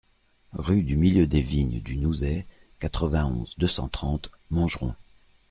Rue du Milieu des Vignes du Nouzet, quatre-vingt-onze, deux cent trente Montgeron